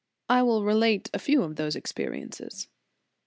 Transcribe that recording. "* I will relate a few of those experiences.